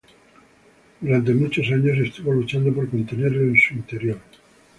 Durante muchos años, estuvo luchando por contenerlo en su interior.